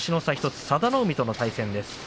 １つ佐田の海との対戦です。